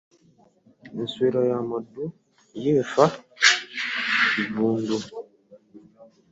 Ensowera ey'amaddu y'efa ekifugu .